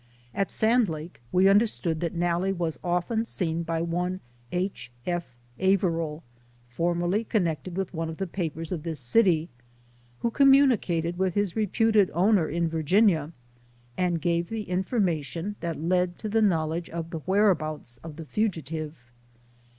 At Sandlake, we understand that Nalle was of ten seen by one H. F. Averill, formerly connected with one of the papers of this city, who commu 94 SOME SCENES IN THE nicated with his reputed owner in Virginia, and gave the information that led to a knowledge of the whereabouts of the fugitive.